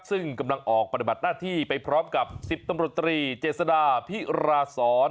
ซึ่งกำลังออกปฏิบัติหน้าที่ไปพร้อมกับ๑๐ตำรวจตรีเจษดาพิราศร